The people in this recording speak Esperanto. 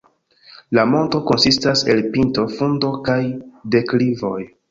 La monto konsistas el pinto, fundo kaj deklivoj.